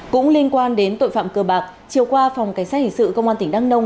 cũng liên quan đến tội phạm cơ bạc chiều qua phòng cảnh sát hình sự công an tỉnh đăng nông